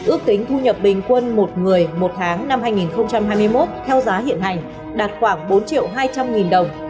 ước tính thu nhập bình quân một người một tháng năm hai nghìn hai mươi một theo giá hiện hành đạt khoảng bốn triệu hai trăm linh nghìn đồng